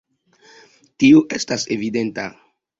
Tio estas evidenta.